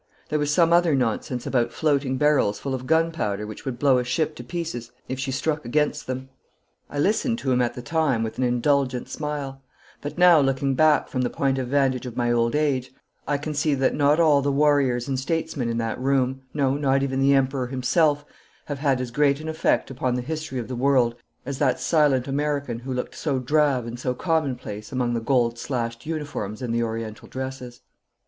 There was some other nonsense about floating barrels full of gunpowder which would blow a ship to pieces if she struck against them. I listened to him at the time with an indulgent smile, but now looking back from the point of vantage of my old age I can see that not all the warriors and statesmen in that room no, not even the Emperor himself have had as great an effect upon the history of the world as that silent American who looked so drab and so commonplace among the gold slashed uniforms and the Oriental dresses.